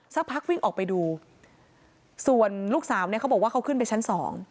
สักพักวิ่งออกไปดูส่วนลูกสาวเนี่ยเขาบอกว่าเขาขึ้นไปชั้นสอง